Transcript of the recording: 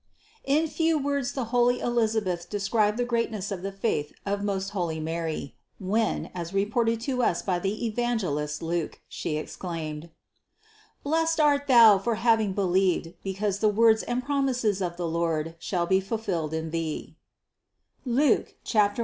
488. In few words the holy Elizabeth described the greatness of the faith of most holy Mary, when, as re ported to us by the evangelist Luke, She exclaimed: "Blessed art thou for having believed, because the words and promises of the Lord shall be fulfilled in Thee" (Luke 1, 45).